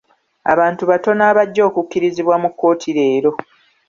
Abantu batono abajja okukirizibwa mu kkooti leero.